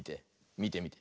みてみて。